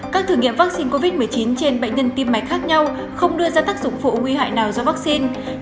các thử nghiệm vaccine covid một mươi chín trên bệnh nhân tim mạch khác nhau không đưa ra tác dụng phụ nguy hại nào do vaccine